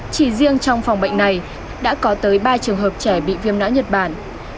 chỉ riêng trong phòng bệnh này đã có tới ba trường hợp trẻ bị viêm não nhật bản